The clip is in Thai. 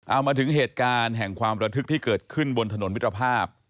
เอามาถึงเหตุการณ์แห่งความระทึกที่เกิดขึ้นบนถนนมิตรภาพ